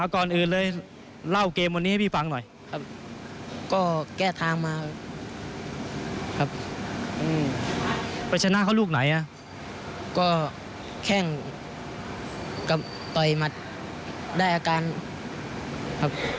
ก็แข้งกับต่อยมัดได้อาการครับ